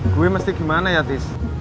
gue mesti gimana ya tis